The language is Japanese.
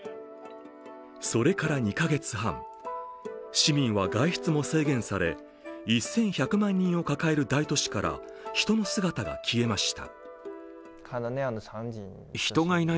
それから２か月半、市民は外出も制限され１１００万人を抱える大都市から人の姿が消えました。